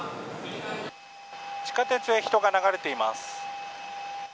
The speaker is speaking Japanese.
地下鉄へ人が流れています。